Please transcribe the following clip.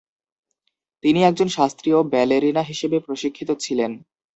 তিনি একজন শাস্ত্রীয় ব্যালেরিনা হিসেবে প্রশিক্ষিত ছিলেন।